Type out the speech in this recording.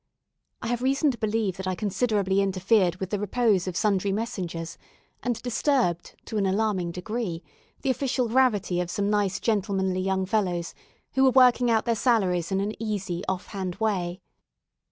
I have reason to believe that I considerably interfered with the repose of sundry messengers, and disturbed, to an alarming degree, the official gravity of some nice gentlemanly young fellows, who were working out their salaries in an easy, off hand way.